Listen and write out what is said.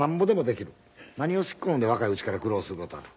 「何を好きこのんで若いうちから苦労する事ある」